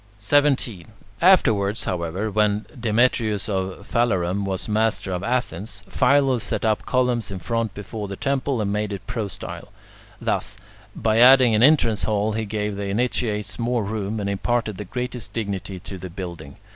17. Afterwards, however, when Demetrius of Phalerum was master of Athens, Philo set up columns in front before the temple, and made it prostyle. Thus, by adding an entrance hall, he gave the initiates more room, and imparted the greatest dignity to the building.